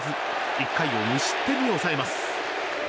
１回を無失点に抑えます。